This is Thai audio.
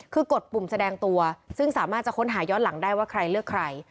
คือกดปุ่มแสดงตัวซึ่งสามารถจะค้นหาย้อนหลังได้ว่าใครเลือกใคร